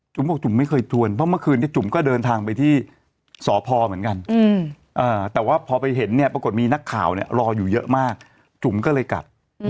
บอกจุ๋มไม่เคยทวนเพราะเมื่อคืนนี้จุ๋มก็เดินทางไปที่สพเหมือนกันแต่ว่าพอไปเห็นเนี่ยปรากฏมีนักข่าวเนี่ยรออยู่เยอะมากจุ๋มก็เลยกัด